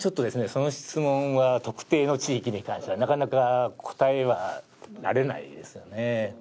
その質問は特定の地域に関してはなかなか答えられないですよね